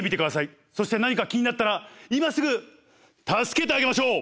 そして何か気になったら今すぐ助けてあげましょう！